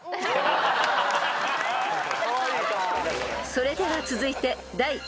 ［それでは続いて］